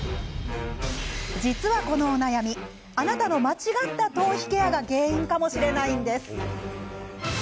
実は、このお悩みあなたの間違った頭皮ケアが原因かもしれないんです。